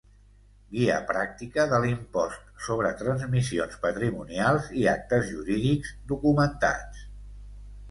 Guia pràctica de l'impost sobre transmissions patrimonials i actes jurídics documentats.